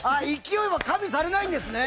勢いは加味されないんですね。